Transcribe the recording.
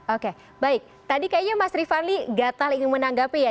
oke baik tadi kayaknya mas rifanli gatal ingin menanggapi ya